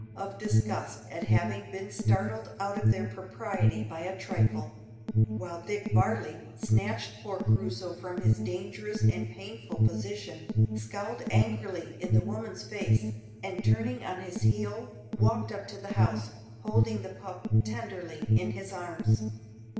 of disgust at having been startled out of their propriety by a trifle; while Dick Varley snatched poor Crusoe from his dangerous and painful position, scowled angrily in the woman's face, and turning on his heel, walked up to the house, holding the pup tenderly in his arms.